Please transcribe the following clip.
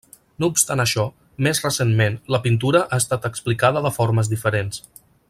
No obstant això, més recentment, la pintura ha estat explicada de formes diferents.